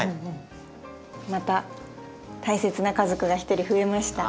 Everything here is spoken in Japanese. また大切な家族が１人増えました。